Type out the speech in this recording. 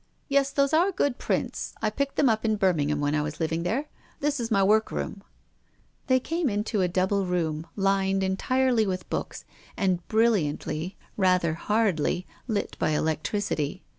Yes, those are good prints. I picked them up in Birmingham when I was living there. This is my workroom." They came into a double room lined entirely with books, and brilliantly, rather hardly, lit by electricity.